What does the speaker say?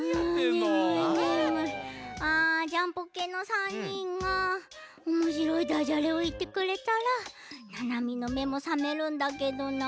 あジャンポケの３にんがおもしろいダジャレをいってくれたらななみのめもさめるんだけどな。